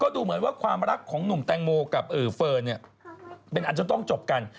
ดูเหมือนว่าความรักของหนุ่มแตงโมกับเฟิร์นเนี่ยอาจจะต้องจบกัน